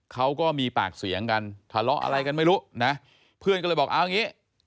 เขาก็มีปากเสียงกันทะเลาะอะไรกันไม่รู้นะเพื่อนก็เลยบอกเอาอย่างงี้